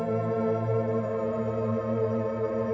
tidak ada yang bisa dikira